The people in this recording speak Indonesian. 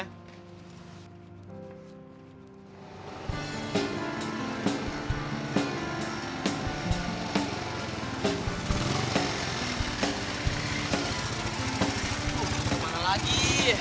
tuh kemana lagi